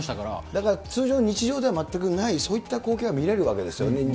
だから、通常、日常では全くない、そういった光景が見れるわけですよね。